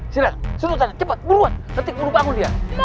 silahkan sultan cepat buruan ketik buru bangun dia